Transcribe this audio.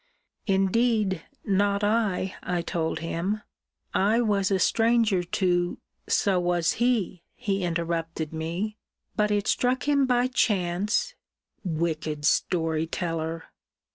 Indeed, not I, I told him: I was a stranger to So was he, he interrupted me; but it struck him by chance Wicked story teller!